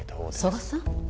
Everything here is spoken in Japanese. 蘇我さん？